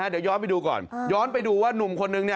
เดี๋ยวย้อนไปดูก่อน